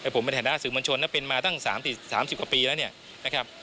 ผมเป็นฐานะสื่อมวลชนนะเป็นมาตั้ง๓๐กว่าปีแล้วเนี่ยนะครับ